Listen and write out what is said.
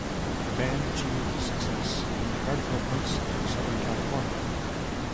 The band achieved success in the hardcore punk scene of Southern California.